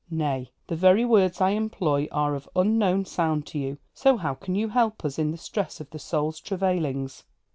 Nay, the very words I employ are of unknown sound to you; so how can you help us in the stress of the soul's travailings?